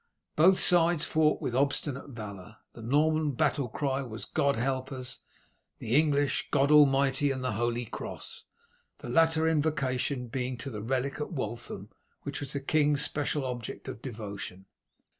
Both sides fought with obstinate valour. The Norman battle cry was "God help us!" the English "God Almighty and the Holy Cross!" The latter invocation being to the relic at Waltham, which was the king's special object of devotion.